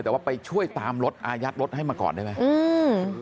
แต่ว่าไปช่วยตามรถอายัดรถให้มาก่อนได้ไหมอืม